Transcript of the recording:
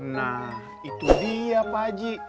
nah itu dia pak haji